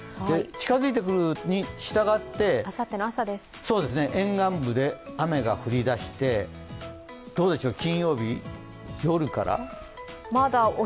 近づいてくるにしたがって、沿岸部で雨が降り出して金曜日夜から。